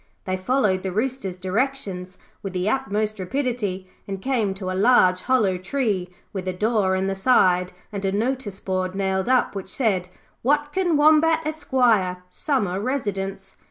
They followed the Rooster's directions with the utmost rapidity, and came to a large hollow tree with a door in the side and a notice board nailed up which said, 'Watkin Wombat, Esq., Summer Residence'.